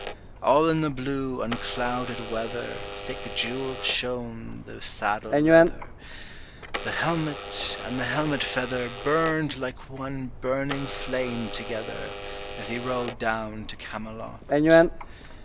90 All in the blue unclouded weather Thick jewell'd shone the saddle leather, The helmet and the helmet feather Burn'd like one burning flame together, As he rode down to Camelot.